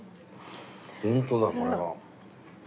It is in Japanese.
ホントだこれは。